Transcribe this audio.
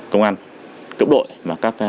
công an cộng đội và các tổ chức đều đồng ý